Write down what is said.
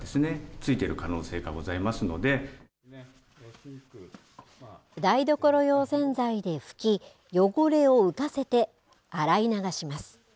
ついている台所用洗剤で拭き汚れを浮かせて洗い流します。